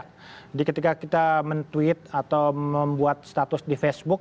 jadi ketika kita men tweet atau membuat status di facebook